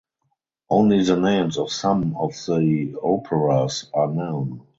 Only the names of some of the operas are known.